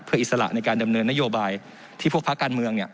เพื่ออิสระในการดำเนินนโยบายที่พวกภาคการเมือง